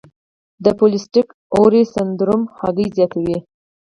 د پولی سیسټک اووری سنډروم هګۍ زیاتوي.